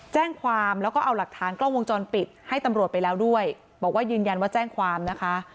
แจ้งความแล้วก็เอาหลักฐานกล้องวงจรปิดให้ตำรวจไปแล้วด้วยบอกว่ายืนยันว่าแจ้งความนะคะ